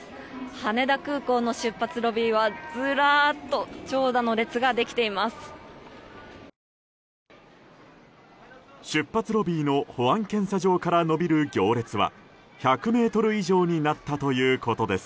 羽田空港の出発ロビーはずらっと長蛇の列ができています。